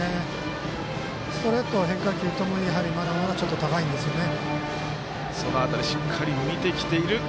ストレート、変化球ともに、まだまだちょっと高いんですよね。